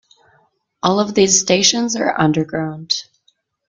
All of these stations are underground.